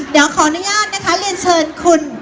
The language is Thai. เดี๋ยวขออนุญาตนะคะเรียนเชิญคุณ